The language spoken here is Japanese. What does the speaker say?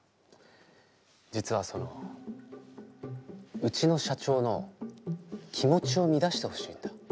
実はそのうちの社長の気持ちを乱してほしいんだ。